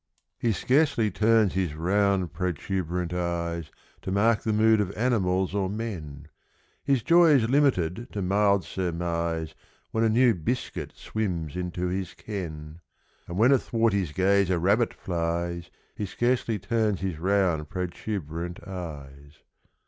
= He scarcely turns his round protuberant eyes, `To mark the mood of animals or men. His joy is limited to mild surmise `When a new biscuit swims into his ken. And when athwart his gaze a Rabbit flies, He scarcely turns his round protuberant eyes.